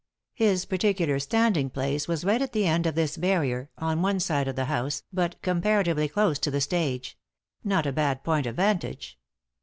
His particular standing place was right at the end of this barrier, on one side of the house, but comparatively close to the stage; not a bad point of vantage.